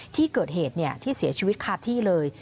ที่เกิดเหตุที่เสียชีวิตคาที่เลย